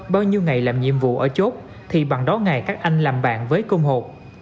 bao nhiêu ngày làm nhiệm vụ ở chốt thì bằng đó ngày các anh làm bạn với công hộ